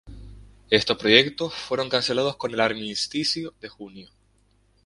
Estos proyectos, fueron cancelados con el armisticio de junio.